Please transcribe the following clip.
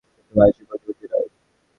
কিন্তু মানসিক প্রতিবন্ধী নয়!